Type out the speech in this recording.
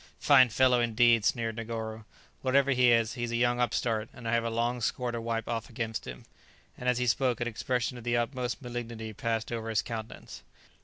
"Fine fellow, indeed!" sneered Negoro; "whatever he is, he is a young upstart, and I have a long score to wipe off against him;" and, as he spoke, an expression of the utmost malignity passed over his countenance.